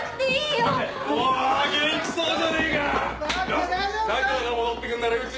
よし！